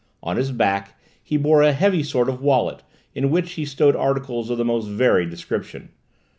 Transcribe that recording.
On his back he bore a heavy sort of wallet in which he stowed articles of the most varied description.